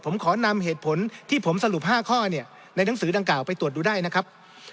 ผมขอนำเหตุผลที่ผมสรุป๕ข้อเนี่ยในหนังสือดังกล่าวไปตรวจดูได้นะครับ